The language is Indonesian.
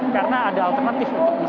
karena ada alternatif untuk bisa membeli